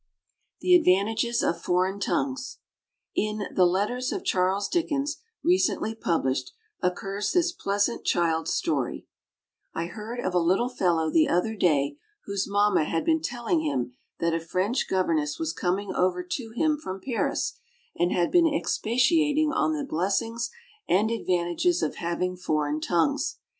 =The Advantages of Foreign Tongues.= In the Letters of Charles Dickens, recently published, occurs this pleasant child's story: "I heard of a little fellow the other day whose mamma had been telling him that a French governess was coming over to him from Paris, and had been expatiating on the blessings and advantages of having foreign tongues.